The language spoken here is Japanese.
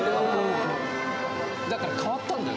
だから変わったんだよ